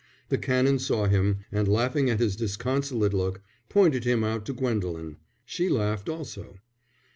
The Canon saw him, and laughing at his disconsolate look, pointed him out to Gwendolen. She laughed also.